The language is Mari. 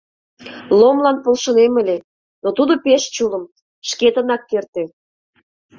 Ломлан полшынем ыле, но тудо пеш чулым, шкетынак керте.